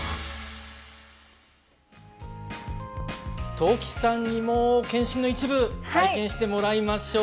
ときさんにも健診の一部体験してもらいましょう。